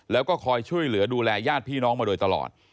แล้วก็คอยช่วยเหลือดูแลญาติพี่น้องมาโดยตลอด